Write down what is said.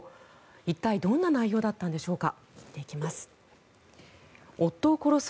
一体どんな内容だったのでしょうか見ていきます。